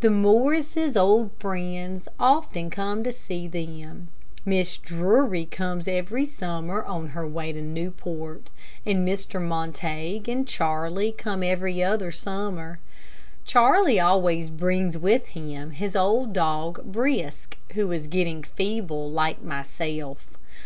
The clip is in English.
The Morrises' old friends often come to see them. Mrs. Drury comes every summer on her way to Newport, and Mr. Montague and Charlie come every other summer. Charlie always brings with him his old dog Brisk, who is getting feeble, like myself.